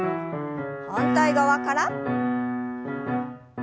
反対側から。